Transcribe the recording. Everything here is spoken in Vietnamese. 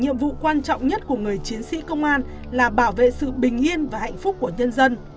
nhiệm vụ quan trọng nhất của người chiến sĩ công an là bảo vệ sự bình yên và hạnh phúc của nhân dân